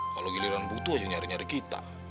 kalau giliran butuh aja nyari nyari kita